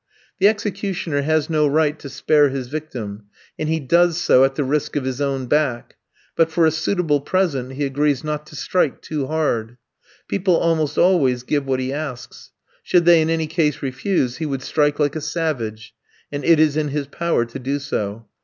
The executioner has no right to spare his victim; and he does so at the risk of his own back. But for a suitable present he agrees not to strike too hard. People almost always give what he asks; should they in any case refuse, he would strike like a savage; and it is in his power to do so.